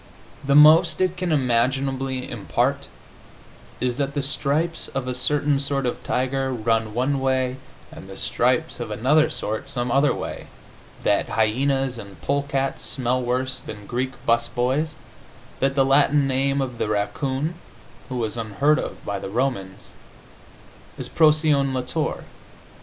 The most it can imaginably impart is that the stripes of a certain sort of tiger run one way and the stripes of another sort some other way, that hyenas and polecats smell worse than Greek 'bus boys, that the Latin name of the raccoon (who was unheard of by the Romans) is Procyon lotor.